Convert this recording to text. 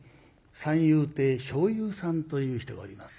三遊亭笑遊さんという人がおります。